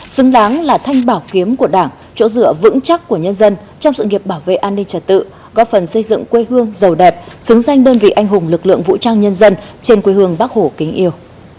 xứng đáng là thanh bảo kiếm của đảng chỗ dựa vững chắc của nhân dân trong sự nghiệp bảo vệ an ninh trật tự góp phần xây dựng quê hương giàu đẹp xứng danh đơn vị anh hùng lực lượng vũ trang nhân dân trên quê hương bắc hổ kính yêu